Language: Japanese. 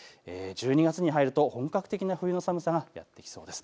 １２月に入ると本格的な冬の寒さが来そうです。